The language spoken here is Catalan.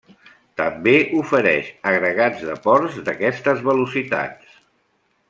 També ofereix agregats de ports d’aquestes velocitats.